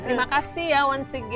terima kasih ya once again